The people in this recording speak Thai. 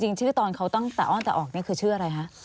ชื่อตอนเขาตั้งแต่อ้อนแต่ออกนี่คือชื่ออะไรคะ